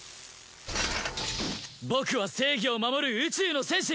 僕は正義を守る宇宙の戦士！